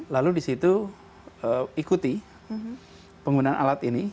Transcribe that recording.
lalu di situ ikuti penggunaan alat ini